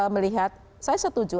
melihat saya setuju